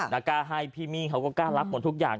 กล้าให้พี่มี่เขาก็กล้ารับหมดทุกอย่าง